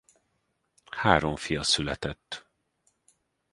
Három fia született.